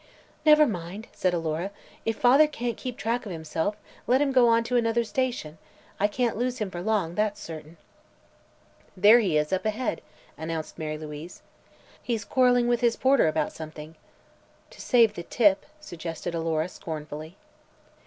"Never mind," said Alora; "if father can't keep track of himself, let him go on to another station. I can't lose him for long, that's certain." "There he is, up ahead," announced Mara Louise. "He's quarreling with his porter about something." "To save the tip," suggested Alora, scornfully.